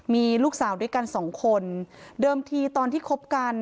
มีลูกสาวด้วยกันสองคนเดิมทีตอนที่คบกัน